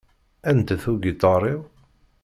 Anda-t ugiṭar-iw?